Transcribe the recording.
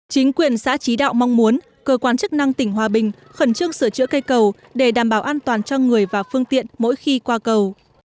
chính quyền xã trí đạo mong muốn cơ quan chức năng tỉnh hòa bình khẩn trương sửa chữa cây cầu để đảm bảo an toàn cho người và phương tiện mỗi khi qua cầu